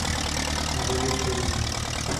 Novela histórica.